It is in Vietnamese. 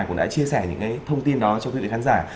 cũng đã chia sẻ những thông tin đó cho quý vị khán giả